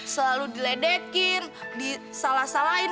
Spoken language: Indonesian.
selalu diledekin disalah salahin